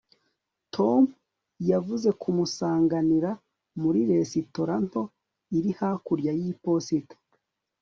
tom yavuze kumusanganira muri resitora nto iri hakurya y'iposita